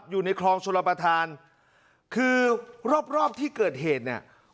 อยู่ในคลองชลประธานคือรอบรอบที่เกิดเหตุเนี่ย